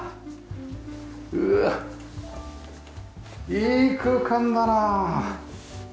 うわっいい空間だなあ。